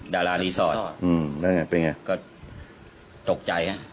ดารารีสอร์ทอืมแล้วไงเป็นไงก็ตกใจฮะ